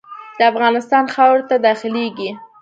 د افغانستان خاورې ته داخلیږي.